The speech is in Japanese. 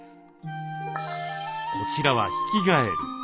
こちらはヒキガエル。